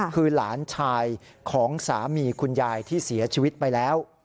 คือหลานชายของสามีคุณยายที่เสียชีวิตไปแล้ว